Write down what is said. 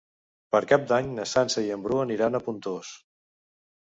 Per Cap d'Any na Sança i en Bru aniran a Pontós.